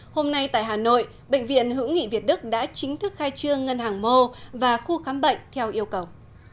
hôm nay tại hà nội bệnh viện hữu nghị việt đức đã chính thức khai trương ngân hàng mô và khu khám bệnh theo yêu cầu